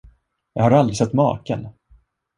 Jag har då aldrig sett maken!